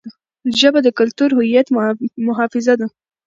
ژبه د کلتوري هویت محافظه ده.